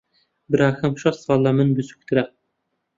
براکەم شەش ساڵ لە من بچووکترە.